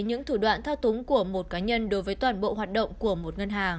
những thủ đoạn thao túng của một cá nhân đối với toàn bộ hoạt động của một ngân hàng